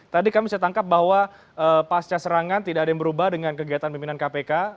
tadi kami bisa tangkap bahwa pasca serangan tidak ada yang berubah dengan kegiatan pimpinan kpk